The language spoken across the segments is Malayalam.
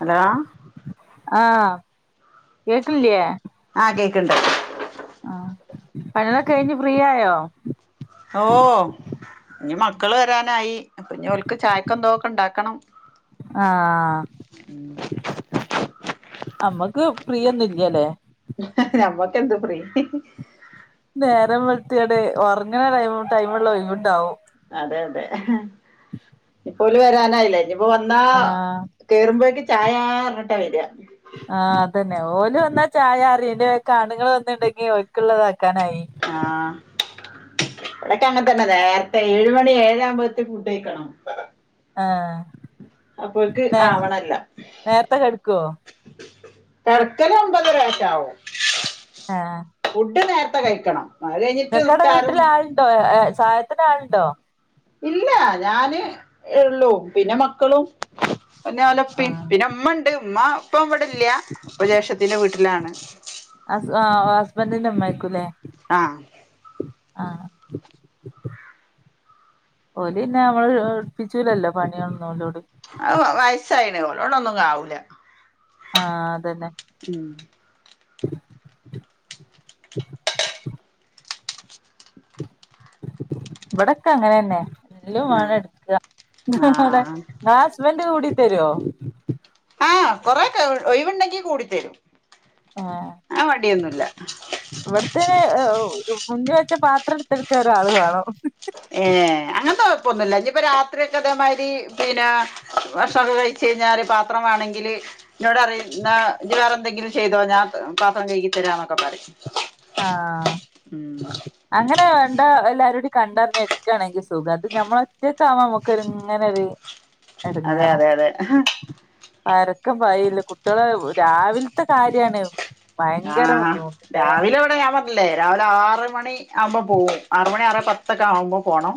ഹലോ ആഹ് കേക്കല്ല്യേ ആഹ് കേക്കണ്ട് ആഹ് പണലൊക്കെ കഴിഞ്ഞ് ഫ്രീ ആയോ ഓഹ് ഇനി മക്കള് വരാനായി ഇനി അപ്പ ഇനി ഓൽക്ക് ചായക്കെന്തോക്കെ ഉണ്ടാക്കണം ആഹ് അമ്മക്ക് പ്രിയൊന്നും ഇല്ല്യല്ലേ നമ്മക്ക് എന്ത് ഫ്രീ നേരം വെളുത്തിടെ ഉറങ്ങണ ടൈ ടൈമള്ള ഒഴിവ് ഇണ്ടാവും അതെ അതെ ഇപ്പൊ ഓല് വരാനായില്ലേ ഇനിപ്പോ വന്നാ ആഹ് കേറുമ്പോഴേക്ക് ചായ റഞ്ഞിട്ടാ വരിക ആഹ് അതന്നെ ഓല് വന്നാ ചായ അറിയന്റെ കാണുങ്ങൾ വന്നിണ്ടെങ്കി ഓക്കുള്ളത ആക്കാനായി ആഹ് ഇവിടക്ക അങ്ങെത്തന്നെ നേരത്തെ ഏഴുമണി ഏഴാകുമ്പോത്തേക്ക് ഫുഡഴിയ്ക്കണം ആഹ് അപ്പോക്ക് നേ ആവണല്ലാം നേരത്തെ കെടക്കോ തെർക്കൽ ഒമ്പത് അരക്കെ ആവും ഫുഡ് നേര ത്തെ കഴിക്കണം അത് കഴിഞ്ഞിട്ട് ഉസ്താറും ആഹ് സായത്തിന് ആളുണ്ടോ ഇല്ല ഞാന് ഉള്ളും പിന്നെ മക്കളും പിന്നെ ഓലെ ആഹ് പിന്നെ ഉമ്മ ഉണ്ട് ഉമ്മ ഇപ്പൊ അവിടെ ഇല്ല ഇപ്പൊ ജേഷടത്തിന്റെ വീട്ടിലാണ് അ ആഹ് ഹസ്ബന്ഡന്റെ ഉമ്മ ആക്കൂലേ ആഹ് ആഹ് ഓലിന്നെ നമ്മള് ഇട്പ്പിച്ചലല്ലോ പണിയാളൊന്നും ലോട് ആ വയസ്സായീണ് ഓലോണ്ടൊന്നും ആവൂല ആഹ് അതന്നെ ഉം [inaudible] ഇവിടൊക്കെ അങ്ങനെ ന്നെ എല്ലാം വേണ ആഹ് എടുക്ക ടെ വേ ആഹ് ഹസ്ബൻഡ് കൂടി തരുവോ ആഹ് കൊറേ ഒക്കെ ഒഴിവുണ്ടെങ്കി കൂടിത്തരും ആ മടിയൊന്നുല്ല ഇവിട്ത്തെന് മുന്ന് വെച്ച പാത്രം എടുത്തെടുക്കാ ഒരാള് വേണം ഏഹ് അങ്ങൻത്തെ കൊഴപ്പൊന്നുല്ല ഇനിപ്പൊ രാത്രി ഒക്കെ തേമാതിരി പിന്നെ ഭക്ഷണൊക്കെ കഴിച്ചഴിഞ്ഞാല് പാത്രം വേണെങ്കില് ന്നോട് പറയുംന്നാ ഇജ്ജ് വേറെ ന്തെങ്കിലും ചെയ്തോ ഞാൻ പാത്രം കഴകി തരാന്നൊക്കെ പറയും ആഹ് ഉം അങ്ങനെണ്ട എല്ലാരും കൂടി കണ്ടറിഞ്ഞ് എടുക്കാണെങ്കിൽ സീ സുഖാവായിട്ട് ഇരിക്കുന്നു ഇത് ഞമ്മള് ഒറ്റയക്ക് ആവുമ്പോ നമുക്കൊരു ഇങ്ങനെ ഒരു- അതെ എടങ്ങേറാ അതെ അതെ പരക്കം പായുവാ കുട്ടികള് രാവിലത്തെ കാര്യാണ് ഭയങ്കര ആഹ് ബുദ്ധിമുട്ടില്ലേ രാവിലെ- ൻഡ് ഞാൻ പറഞ്ഞില്ലേ രാവിലെ ആറ് മണി ആവുമ്പോ പോകും ആറ് മണി ആറേ പത്തൊക്കെ ആവുമ്പോ പോകണം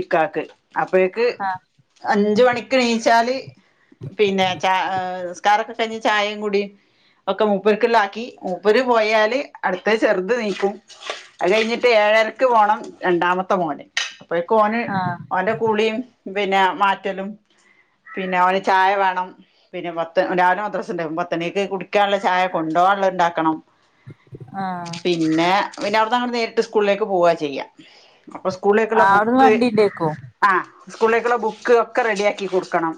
ഇക്കാക്ക് അപ്പഴേക്ക് ആഹ് അഞ്ചു മണിക്ക് എണിച്ചാല്- പിന്നെ ച ഏ നിസ്കാരൊക്കെ കഴിഞ് ചായീം കൂടീം ഒക്കെ മു- മൂപ്പർക്കുള്ളയാക്കി മൂപ്പര് പോയാല് അടുത്തത് ചെറുത് എണീക്കും അത് കഴിഞ്ഞിട്ട് ഏഴരക്ക് പോണം രണ്ടാമത്തെ മോന് അപ്പഴേക്ക് ഓന് ആഹ് ഓന്റെ കുളിയും പിന്നെ മാറ്റലും- പിന്നെ ഓന് ചായ വേണം പിന്നെ പത്ത് രാവിലെ മദ്രസണ്ടാവും പത്തണിക്ക് കുടിക്കാനുള്ള ചായ- കൊണ്ടോവാനുള്ളത് ഇണ്ടാക്കണം ആഹ് പിന്നെ പിന്നെ അവിടുന്ന് അങ്ങട്ട് നേരിട്ട് സ്കൂളിലേക്ക് പോവാ ചെയ്യാ അപ്പൊ സ്കൂളിലേക്കുള്ള അവിടുന്ന് ബുക്ക്- വണ്ടിണ്ടേക്കും ആഹ് സ്കൂളിലേക്കുള്ള ബുക്ക് ഒക്കെ റെഡിയാക്കി കൊടുക്കണം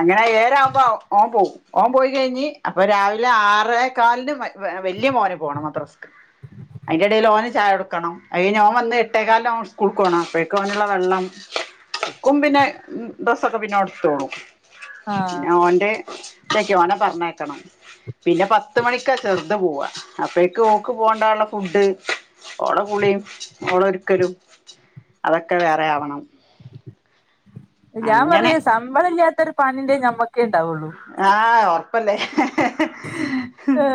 അങ്ങനെ ഏഴരാവുമ്പോ ഓൻ പോവും ഓൻ പോയി കഴിഞ്ഞ് അപ്പൊ രാവിലെ ആറ- റേ കാലിനു വല്യ മോന് പോണം മദ്രസക്ക് അയിന്റെ എടേൽ ഓന്- ചായ കൊടുക്കണം അത് കഴിഞ്ഞ് ഓൻ വന്ന് എട്ടേക്കാലിന് ഓന് സ്കൂൾക്ക് പോണം അപ്പോഴേക്കും ഓനുള്ള വെള്ളം- ക്കും പിന്നെ ഡ്രസൊക്കെ പിന്നോടുത്തോളും ആഹ് പിന്നെ ഓന്റെ ഒറ്റക്ക് ഓനെ പറഞ്ഞയക്കണം പിന്നെ പത്ത് മണിക്കാ ചെറുത് പോവാ അപ്പേക്ക് ഓക്ക് കൊണ്ടുപോകാനുള്ള ഫുഡ് ഓളെ കുളീം ഓളെ ഒരുക്കലും അതൊക്കെ വേറെ ആവണം ഞാൻ അങ്ങനെ പറയും ശമ്പളല്ലാത്ത ഒരു പണീണ്ടെങ്കി ഞമ്മക്കേ ഉണ്ടാവുള്ളൂ ആഹ് ഒറപ്പല്ലേ ഹേ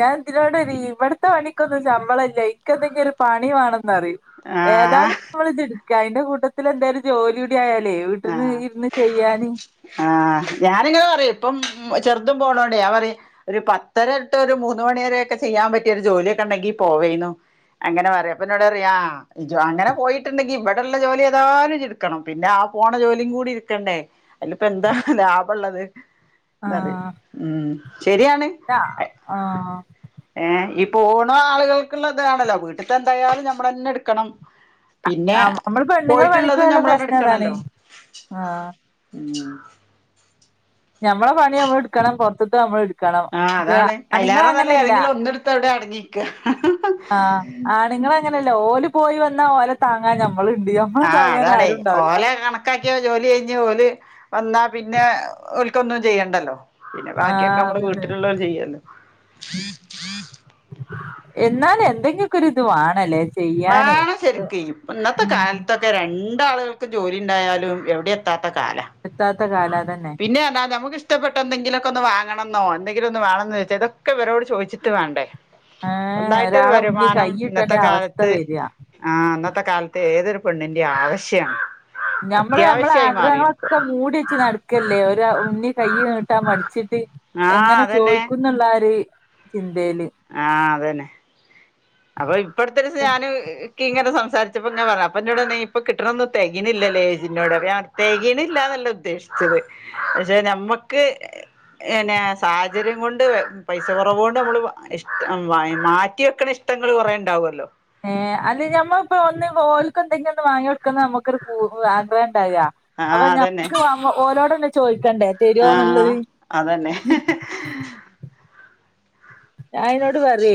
ഞാൻ നോട് പറയും ഇവിടത്തെ പണിക്കൊന്നും ശമ്പളയില്ല ഇക്ക് എന്തെങ്കിലും ഒരു പണി വേണെന്ന് പറയും ഏതായാലു ആഹ് ഇപ്പൊ നമ്മളിതെടുക്കുവാ അയിന്റെ കൂട്ടത്തില് എന്തേലും ജോലി- ക്കായാലേയ് വീട്ടിന്ന് ആഹ് ഇരുന്ന് ചെയ്യാന് ആഹ് ഞാനിങ്ങനെ പറയും ഇപ്പം ചെറുതും പോണോണ്ടേയ് ഞാൻ പറയും- ഒരു പത്തര തൊട്ട് ഒരു മൂന്ന് മണിവരെയൊക്കെ ചെയ്യാൻ പറ്റിയൊരു ജോലിയൊക്കെ ഒണ്ടെങ്കിൽ പോവെയ്നു അങ്ങനെ പറയും അപ്പൊ എന്നോട് പറയും ആഹ് ജ്ജ് അങ്ങനെ പോയിട്ടുണ്ടെങ്കി ഇവിടെയുള്ള ജോലി ഏതായാലും ജ്ജ് എടുക്കണം പിന്നെ ആ- പോണ ജോലിയും കൂടി ഇട്ക്കണ്ടേ അതിലിപ്പോ എന്താ ലാഭയുള്ളത് എന്ന് ആഹ് ഉം ശരിയാണ് ആഹ് ഏ ഈ പോണെ ആളുകൾക്കുള്ള താണല്ലോ വീട്ടത്തെ എന്തായാലും നമ്മള് തന്നെ എട്ക്കണം നമ്മള് പെണ്ണുങ്ങള് പണിക്കു പോയിട്ടുള്ളതും പോയലുള്ള നമ്മളന്നെ പ്രശ്നതാണ് എടുക്കണല്ലോ ആഹ് ഉം ഞമ്മളെ പണി ഞമ്മള് എടുക്കണം പുറത്തും [unintelligible] അമ്മള് ട് ആഹ് അതാണ് അയിലേറെ നല്ലെ ഏതെങ്കിലും ഒന്ന് എടുത്ത് അവിടെ അടങ്ങി നിക്കുവാ ആഹ് ആണ്ങ്ങള് അങ്ങനെയല്ല ഓല് പോയി വന്നാ ഓലെ താങ്ങാൻ ഞമ്മള്ണ്ട് ആഹ് അതാണേ ഓലെ കണ - ആക്കിയ ജോലി കയിഞ്ഞ് ഓല് വന്നാ പിന്നെ ഒൽക്കൊന്നും ചെയ്യണ്ടല്ലോ പിന്നെ ബാക്കിയൊക്കെ ആഹ് നമ്മള് അതന്നെ വീട്ടിലോളവര് ചെയ്യുവല്ലോ ഉം എന്നാലും എന്തെങ്കിലും ഒക്കെ ഒര്ത് വാണല്ലേ വാണം ശരിക്ക് ഇന്നത്തെ കാലത്തൊക്കെ രണ്ടാളുകൾക്കും ജോലിയിണ്ടായാലും എവിടെയും എത്താത്ത കാലവാ എത്താത്ത കാലാ തന്നെ പിന്നെ എന്താ നമുക്ക് ഷ് ഇഷ്ട്ടപ്പെട്ട എന്തെങ്കിലൊക്കൊന്ന് വാങ്ങണയെന്നോ എന്തെങ്കിലൊന്ന് വാണന്ന് വെച്ചാ ഇതൊക്കെയി വരോട് ചോയ്ച്ചിട്ട് വാണ്ടെ ഏ സ്വന്തംമായിട്ടൊരു ഒരാളെ മുന്നിൽ വരുമാനം കൈയിട്ടേണ്ട ഇന്നത്തെ കാല അവസ്ഥ വരിക ആഹ് അന്നത്തെ കാൽത്ത് ഏതൊരു പെണ്ണിന്റെ ആവശ്യാണ് ഞമ്മള് നമ്മളെ അത്യാവശ്യായി മാറീണ് ഇപ്പൊ ആഗ്രഹങ്ങളൊക്കെ മൂടി വെച്ച നട്ക്കല്ലേ ഒരു മുന്നി കയ്യി നീട്ടാ മട്ച്ചിട്ട് ആഹ് എങ്ങനെ അതന്നെ ചോയ്ക്കുന്നുള്ള ഒര് ചിന്തേല് ആഹ് അതന്നെ അപ്പൊ ഇപ്പട്തൊരീസം ഞാന് ക്കി ങ്ങനെ സംസാരിച്ചപ്പൊ ങ്ങനെ പർഞ് അപൊ എന്നോടർഞ്ഞി ഇപ്പൊ കിട്ടണോ തേകിണില്ലലേ ച്ചി നോട് തെകിണ്ല്ലാന്നല്ല ഉദ്ദേശ്ച്ചത് പഷെ നമ്മക്ക് പിന്നെ സാഹചര്യം കൊണ്ട് പൈസ കൊറവോണ്ട നമ്മൾ ഇഷ്ട മാറ്റി വെക്കണ ഇശ് ട്ടങ്ങള് കുറേണ്ടാവുല്ലോ ഏഹ് അല്ല ഞമ്മപ്പോ ഒന്ന് ഓൽക്ക് എന്തെങ്കി ഒന്ന് വാങ്യോട്ക്കന്ന നമ്മക്കൊര് പൂ ആഗ്രഹണ്ടാവാ അപ്പൊ ആഹ് അതന്നെ ഞമ്മക്ക് ഓലോടെന്നെ ചോയ്ക്കണ്ടേ തരോന്ന്ള്ളത് ആഹ് അതന്നെ ഞ അയ്നോട് പറ്യേ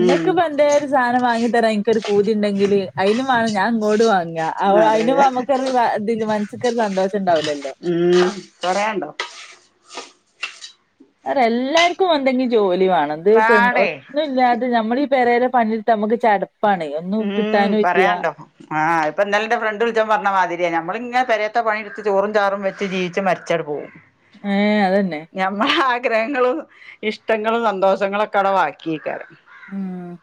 ഉം ഇപ്പ ന്തേ സാനം വാങ്ങി തരാ എൻകൊര് പൂതി ഇണ്ണ്ടെങ്കില് അയ്നു മാണം ഞാ ഇങ്ങളോട്ട് വാങ്ങ അതെ അയ്ന് അതെ അമ്മക്കൊര് ത് മൻസ്ക്കൊര് സന്തോഷണ്ടാവുലല്ലോ ഉം പര്യാണ്ടോ ര്യ എല്ലാർക്കും എന്തെങ്കി ജോലി വാണം ത് പെൺ വാടേ ഒന്നുല്ലാ ത് നമ്മളീ പെരേലെ പണിട്ട്ത് അമ്മക്ക് ചട്പ്പാണ് ഒന്നും ഉം കിട്ടാനും ല്യ പറയാണ്ടോ ആഹ് അഹ്പ്പൊ ന്നലെ ന്റെ ഫ്രണ്ട് ൾച്ചാപ്പൊ പർഞ്ഞ മാതിര്യ ഞമ്മള്ങ്ങെ പെരേതെ പണിട്ത്ത് ചോറും ചാറും വെ ച്ച് ജീവിച്ച മര്ച്ചാട് പോ ഉം ഏഹ് അതന്നെ ഞമ്മള ആഗ്രഹങ്ങളും ഇഷ്ടങ്ങളും സന്തോഷങ്ങളൊക്കെ അടെ വാക്യേകാരം ഉം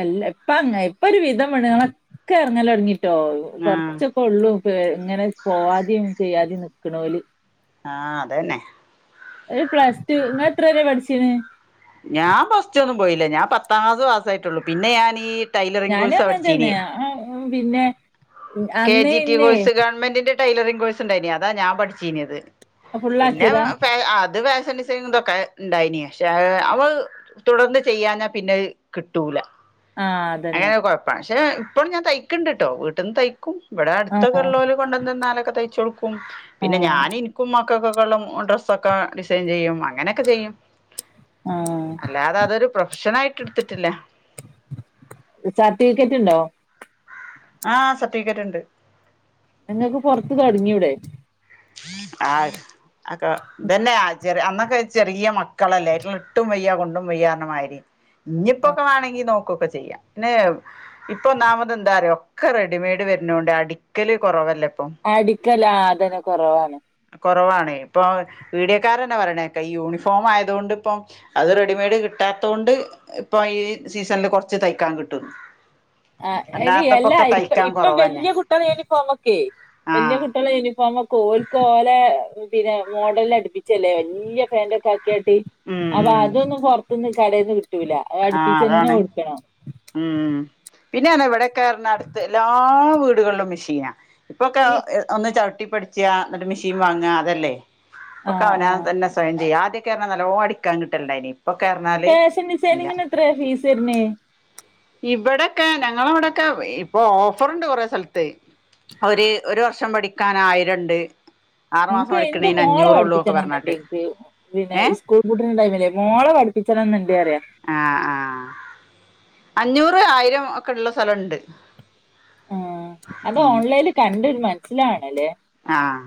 എല്ല പ്പ അങ്ങ ഇപ്പൊര് വിധം പെണ്ണ്ങ്ങളൊക്കെ എർങ്ങലൊട്ങ്ങിട്ടോ ആഹ് കൊർചെ ഒള്ളൂ പ ഇങ്ങനെ പോവാതിം ചെയ്യാതിം നിക്ക്‌ണോല് ആഹ് അതന്നെ ഒരു പ്ലസ് ടു ഇങ്ങ എത്രരെ പട്ച്ണ്? ഞാൻ പ്ലസ് ടുന്നും പോയില്ല ഞാൻ പത്താംക്ലാസ്സ്‌ പാസ്സായിട്ടുള്ളു പിന്നെ ഞാനീ ഞാനും അങ്ങൻ തന്നെ പിന്നെ കെ അന്ന് ജി ടി ഇന്നേ കോഴ്സ് കൻ ഗവൺമ്മന്റ്ന്റെ ടൈലറിങ്ങ് കോഴ്സ്ണ്ടായീനി അതാ ഞാൻ പട്ചീന്യത് പിന്ന ഫുള്ളാക്കിയതാ അത് ഫാഷ കെ ഇതോക്കെ ഇണ്ടായിനി ഷേ അവ തുടർന്ന് ചെയ്യാ പിന്നെ കിട്ടൂല ആ അതന്നെ അങ്ങനൊര് കൊഴപ്പാ ഷെ ഇപ്പളും ഞാൻ തയ്ക്കണ്ട് ട്ടോ വീട്ട്ന്ന് തയ്ക്കും ഇവ്ടെ ആ അട്തൊക്കള്ളോല് കൊണ്ടന്നെന്നാലൊക്കെ തയ്ചൊട്ക്കും ആ പിന്നെ ഞാൻ ഇൻക്കും മക്കക്കൊക്കെള്ള ഡ്രസ്സൊകെ ഡിസൈൻ ചെയ്യും അങ്ങനൊക്കെ ചെയ്യും ആ അല്ലാതെ അതൊര് പ്രൊഫ്ഷനായിട്ട് എട്ത്തിട്ടില്ല സർട്ടിഫിക്കറ്റ് ഇണ്ടോ ആഹ് സർട്ടിഫിക്കറ്റ് ഇണ്ട് ഇങ്ങക്ക് പൊറത്ത് തൊടങ്ങിയൂടെ ആഹ് അക്കെ ഇതന്നെ ആഹ് ചെറെ അന്നൊക്കെ ചെറിയ മക്കളല്ലേ ഇട്ടും വയ്യ കൊണ്ടും വയ്യാ പറഞ്ഞ മാതിരി ഇഞ്ഞിപ്പോക്കെ വാണങ്കി നോക്കൊക്കെ ചെയ്യാം പിന്നെ ഇപ്പൊ ഒന്നാമത് എന്താറിയൊ ഒക്കെ റെഡിമെയ്ഡ് വര്ണോണ്ട് അടിക്കല് കൊറവല്ലെ ഇപ്പൊ അടിക്കല് ആഹ് അതന്നെ കൊറവാണ് കൊറവാണ് ഇപ്പൊ പീടിയക്കാരന്നെ പറയണേക്കെ ഈ യൂണിഫോം ആയതുകൊണ്ട് ഇപ്പം അത് റെഡിമെയഡ് കിട്ടാത്തോണ്ട് ഇപ്പൊ ഈ സീസണില് കൊറച്ച് തയ്ക്കാൻ കിട്ടും ആഹ് എടി അല്ലാ ഇപ്പ ഇപ്പൊ കൊറവന്നെ വല്യ കുട്ട്യാളെ യൂണിഫോമൊക്കെയ് വല്യ ആഹ് കുട്ടികളെ യൂണിഫോമൊക്കെ ഓൽ ക്കോലെ പിന്നെ മോഡല് അടുപ്പിച്ചല്ലേ വല്യ പാന്റൊക്കെ ആക്കിയാട്ട് ഉം അപ്പൊ ഉം അതൊന്നും പൊറത്ത്ന്ന് കടയിൽന്ന് കിട്ടൂല അത് ആഹ് അടുപ്പിച്ച് തന്നെ അതാണ് കൊടുക്കണം ഉം പിന്നെ ആണേ ഇവിടെക്കെ അടുത്ത് എല്ലാ വീടുകളിലും മെഷീനാ ഇപ്പൊക്കെ ഈ ഒന്ന് ചവിട്ടിപ്പടിച്ച ഇന്നിട്ട് മെഷീൻ വാങ്ങ അതല്ലേ ആ ഇപ്പൊക്കെ ആ അവനാൻ തന്നെ സ്വയം ചെയ്യ ആദ്യോക്കെ അർഞ്ഞ നല്ലോ അടിക്കാൻ കിട്ടലിണ്ടയ്നിം ഇപ്പൊക്കെ അർഞാല് [unintelligible] എത്ര ഫീസ് വര്ണേ ഇബടെക്കെ ഞങ്ങളവിടെക്കെ ഇപ്പൊ ഓഫറുണ്ട് കൊറെ സ്ഥലത്തെയ് ഒര് ഒരു വർഷം പഠിക്കാനായിരണ്ട് ഇൻക്ക് ഇന്റെ മോളെ ഒക്കെ പഠിപ്പിച്ചണം ന്ന്ണ്ട് പറഞ്ഞാട്ട് ഇൻക്ക് പിന്നെ ഏ സ്കൂ പൂട്ട്ണ ടൈമിലേ മോളെ പഠിപ്പിച്ചണംന്നുണ്ട് അറിയ ആഹ് ആഹ് അഞ്ഞൂറ് ആയിരം ഒക്കെ ഉള്ള സ്ഥലണ്ട് ആഹ് അത് ഉം ഓൺലൈനിൽ കണ്ടൊരു മനസ്സിലാണല്ലേ ആഹ്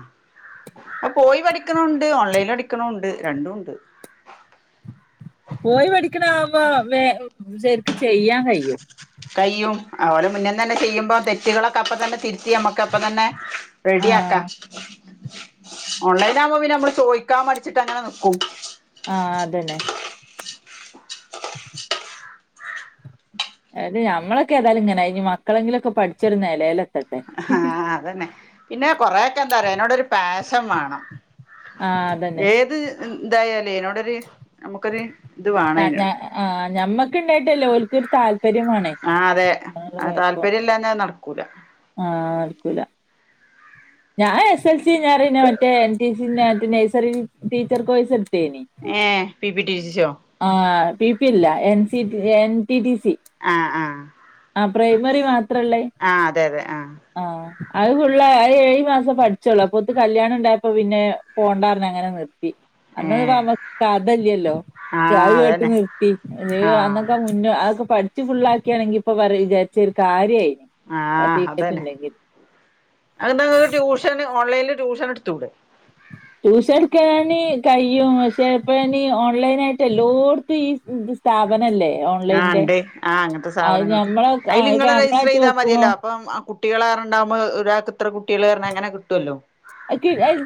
അ പോയി പഠിക്കണുണ്ട് ഓൺലൈനിൽ പഠിക്കണുണ്ട് രണ്ടും ഉണ്ട് പോയി പഠിക്കണാകുമ്പോ വേ ശരിക്ക്‌ ചെയ്യാ [inaudible] കയ്യും അവര് മുന്നേ തന്നെ ചെയ്യുമ്പോ തെറ്റുകളൊക്കെ അപ്പ തന്നെ തിരുത്തി നമ്മക്ക് അപ്പ തന്നെ റെഡി ആക്ക ആഹ് ഓൺലൈൻ ആകുമ്പോ പിന്നെ നമ്മള് ചോയ്ക്കാൻ മടിച്ചിട്ട് അങ്ങനെ നിക്കും ആഹ് അതന്നെ അത് ഞമ്മളൊക്കെഏതായാലും ഇങ്ങനെ ആയി ഇനി മക്കളെങ്കിലൊക്കെ പഠിച്ചൊരു നെലേല് ആഹ് അതന്നെ പിന്നെ കൊറെയൊക്കെ എന്താ അറിയോ അയ്നോടൊരു പാഷൻ വാണം ആഹ് അതന്നെ ഏത് ഇതായാലോയ് അതിനോടൊരു നമുക്കൊരു ഇത് വേണം അതിന് ഞ ആ ഞമ്മക്കുണ്ടായിട്ട്ല്ല ഓൽക്കൊരു താല്പര്യം വാണം ആഹ് അതെ താല്പര്യം ഇല്ലാഞ്ഞാൽ നടക്കൂല ആഹ് നട്ക്കൂല ഞാൻ എസ് എസ് എൽ സി ഞാറീണേ മറ്റേ എൻ ടി സ മറ്റേ നഴ്സറി ടീച്ചർ കോഴ്സ് എടുത്തീനിം ഏഹ് P P T C so ആഹ് പി പി അല്ല N C N T T C ആഹ് ആഹ് ആഹ് പ്രൈമറി മാത്രല്ലേ ആഹ് അതെ അതെ ആഹ് ആഹ് അത് ഫുള്ള അത് ഏഴു മാസം പഠിച്ചൊള്ളൂ അപ്പൊത്ത് കല്യാണം ഉണ്ടായപ്പം പിന്നെ പോണ്ടാർ ഞ്‌ അങ്ങനെ നിർ ത്തി ഏ അന്നന്നുപ്പം നമ്മക്ക് കഥ ഇല്ലല്ലോ ആ ക്ക അത് കേട്ട് അതന്നെ നിർ ത്തി ഏഹ് ആ അന്നൊക്കെ മുന്നേ അതൊക്കെ പഠിച്ച് ഫുള്ളാക്കിയാണെങ്കി ഇപ്പൊ പറ വിചാരിച്ച ഒരു കാര്യയിന് ആഹ് അതന്നെ അതിപ്പം ഇങ്ങക്ക് ട്യൂഷന് ഓൺലൈനില് ട്യൂഷന് എടുത്തൂടെ ട്യൂഷൻ എടുക്കാന് കഴിയും പക്ഷെ ഇപ്പൊ ഞാനീ ഓൺലൈൻ ആയിട്ട് എല്ലോടത്തും ഈ ബിസ് സ്ഥാപനല്ലേ ആഹ് ഓൺലൈൻന്റെ ഇണ്ട് ആഹ് അങ്ങനത്തെ അത് സ്ഥാപനങ്ങൾ ഞമ്മള ആ അയില് ഇപ്പ മ്മളായിട്ട് വെക്കുമോ കുട്ടികൾറണ്ടാവുമോ ഒരാക്ക് ഇത്ര കുട്ടികൾ പറഞ്ഞാൽങ്ങനെ കിട്ടുല്ലോ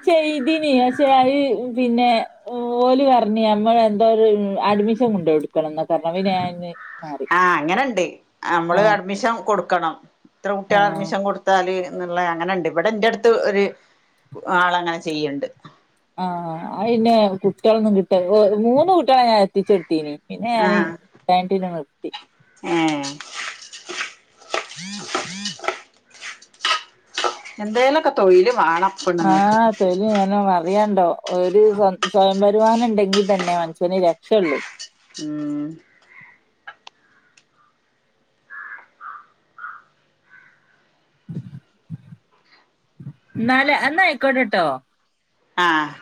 ചെയ്തന്ക്ഷെത് പിന്നെ ഓല് പറഞ്ഞി നമ്മൾ എന്തോരു അഡ്മിഷൻ കൊണ്ടോയ് എടോക്കണംന്ന അവ ഞാന് മാറി ആ അങ്ങനെണ്ട് അമ്മള് ആഹ് അഡ്മിഷൻ കൊടുക്കണം ഇത്ര കുട്ടികള് ആഹ് അഡ്മിഷൻ കൊടുത്താല് ന്ന്ള്ള അങ്ങനെണ്ട് ഇവിടെ ഇന്റട്ത്ത് ഒരു ആളങ്ങനെ ചെയ്യണ്ട് ആഹ പിന്നെ കുട്ടികളൊന്നും കിട്ട മൂന്ന് കുട്ടിളെ ഞാൻ എൽപ്പിച്ചോട്ത്തിച്ചെടുത്തീന പിന്നെ ഞൻ ആഹ് വെണ്ടിന നിർത്തി ഏഹ് എന്തേലുമൊക്കെ തൊഴില് വെണം ആഹ തല് ഞാനോ അറിയണ്ടോ ഒരു സ്വ സ്വയം വരുമാനം ഉണ്ടെങ്കിൽ തന്നെ മനുഷ്യന് രക്ഷയള്ളു ഉം നാലെ എന്ന ആയിക്കോട്ടെട്ടോ ആഹ്